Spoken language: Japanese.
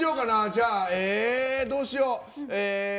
じゃあ、どうしよう。